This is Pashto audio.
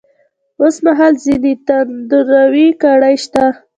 اوس مـهال ځــينې تـنـدروې کـړۍ شـتـه.